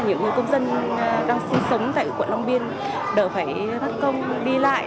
những người công dân đang sinh sống tại quận long biên đỡ phải bắt công đi lại